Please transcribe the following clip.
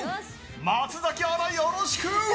松崎アナ、よろしく！